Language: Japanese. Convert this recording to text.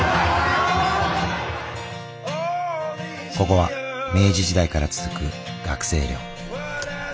ここは明治時代から続く学生寮。